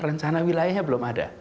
rencana wilayahnya belum ada